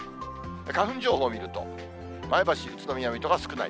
花粉情報を見ると、前橋、宇都宮、水戸は少ない。